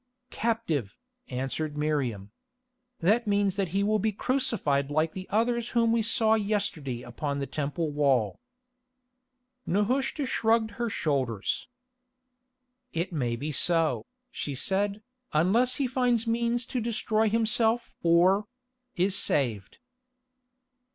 "Captive," answered Miriam. "That means that he will be crucified like the others whom we saw yesterday upon the Temple wall." Nehushta shrugged her shoulders. "It may be so," she said, "unless he finds means to destroy himself or—is saved."